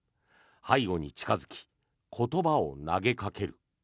背後に近付き言葉を投げかける。